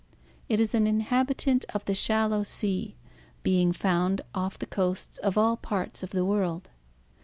It is an inhabitant of the shallow sea (see page 71), being found off the coasts of all parts of the world.